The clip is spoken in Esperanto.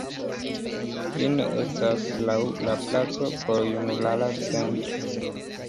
Fine estas laŭ la placo Porjunulara Centro.